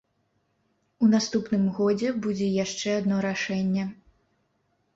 У наступным годзе будзе яшчэ адно рашэнне.